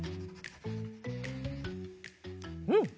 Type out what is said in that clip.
うん！